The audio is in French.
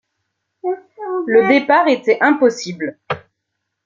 Le départ était impossible.